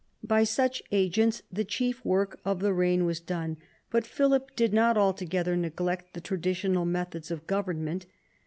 By such agents the chief work of the reign was done. But Philip did not altogether neglect the traditional methods of govern ment.